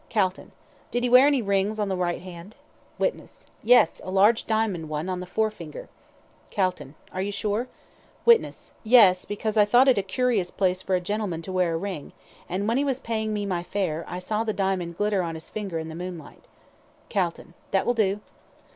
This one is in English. CALTON: Did he wear any rings on the right hand? WITNESS: Yes, a large diamond one on the forefinger. CALTON: Are you sure? WITNESS: Yes, because I thought it a curious place for a gentleman to wear a ring, and when he was paying me my fare, I saw the diamond glitter on his finger in the moonlight. CALTON: That will do.